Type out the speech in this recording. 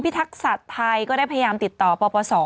พิทักษ์สัตว์ไทยก็ได้พยายามติดต่อปปส